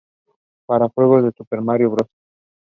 Others also claim it is celebrated in July or August.